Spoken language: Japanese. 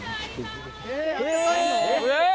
えっ！